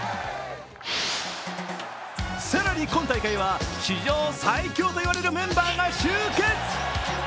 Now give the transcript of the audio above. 更に今大会は史上最強といわれるメンバーが集結。